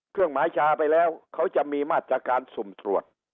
เครื่องหมายชาไปแล้วเขาจะมีมาตรการสุ่มตรวจ